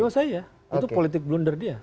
ya sudah saya itu politik blunder dia